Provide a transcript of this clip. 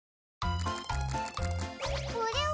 これは。